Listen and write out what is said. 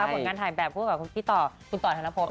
ผลงานถ่ายแบบพูดกับพี่ต่อคุณต่อธนโพธิ์นะครับ